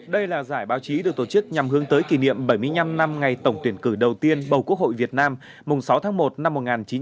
đây là giải báo chí được tổ chức nhằm hướng tới kỷ niệm bảy mươi năm năm ngày tổng tuyển cử đầu tiên bầu quốc hội việt nam mùng sáu tháng một năm một nghìn chín trăm bảy mươi năm